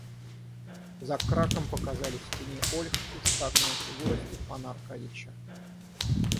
За Краком показалась в тени ольх и статная фигура Степана Аркадьича.